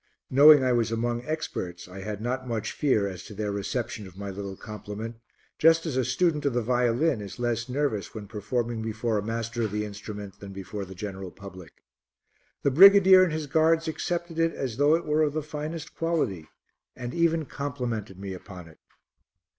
Knowing I was among experts, I had not much fear as to their reception of my little compliment, just as a student of the violin is less nervous when performing before a master of the instrument than before the general public. The brigadier and his guards accepted it as though it were of the finest quality, and even complimented me upon it.